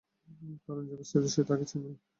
কারন যে বেচতেছে, সে তাকে চেনে।